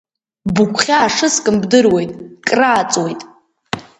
Быгәхьаа шыскым бдыруеит, крааҵуеит.